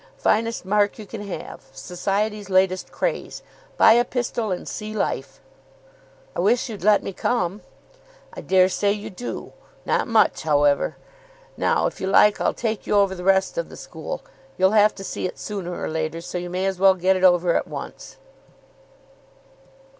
Finest mark you can have. Society's latest craze. Buy a pistol and see life." "I wish you'd let me come." "I daresay you do. Not much, however. Now, if you like, I'll take you over the rest of the school. You'll have to see it sooner or later, so you may as well get it over at once."